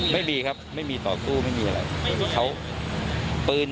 ไม่มีครับไม่มีต่อสู้ไม่มีอะไร